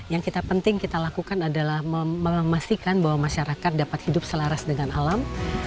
yang kita penting kita lakukan adalah memastikan bahwa masyarakat dapat hidup selaras dengan alam